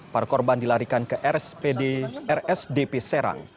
par korban dilarikan ke rsdp serang